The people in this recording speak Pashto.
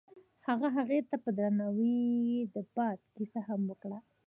هغه هغې ته په درناوي د باد کیسه هم وکړه.